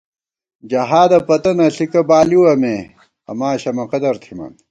جہادہ پتہ نہ ݪِکہ بالِوَہ مے ، اماں شمہ قدر تھِمان